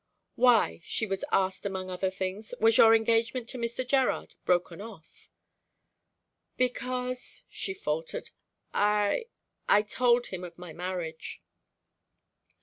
"Why," she was asked among other things, "was your engagement to Mr. Gerard broken off?" "Because," she faltered, "I I told him of my marriage."